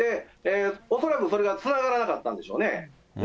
恐らくそれがつながらなかったんでしょうね。